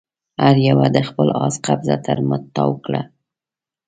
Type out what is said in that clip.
هر يوه د خپل آس قيضه تر مټ تاو کړه.